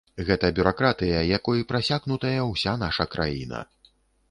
Гэта бюракратыя, якой прасякнутая ўся наша краіна.